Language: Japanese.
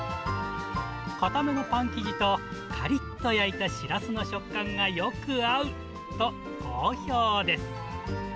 硬めのパン生地とかりっと焼いたシラスの食感がよく合うと好評です。